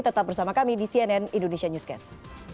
tetap bersama kami di cnn indonesia newscast